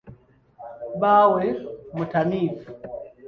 Bbaawe mutamivu.